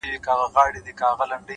پوهه د ژوند مسیر روښانه کوي،